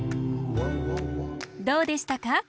どうでしたか？